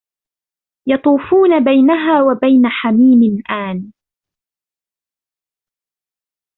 يَطُوفُونَ بَيْنَهَا وَبَيْنَ حَمِيمٍ آنٍ